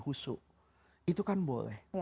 husu itu kan boleh